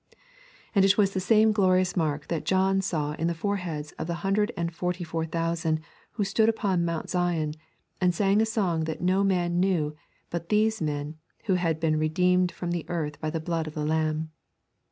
And it was the same glorious mark that John saw in the foreheads of the hundred and forty and four thousand who stood upon Mount Zion and sang a song that no man knew but those men who had been redeemed from the earth by the blood of the Lamb.